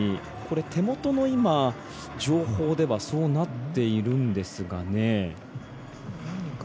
手元の情報ではそうなっているんですがね。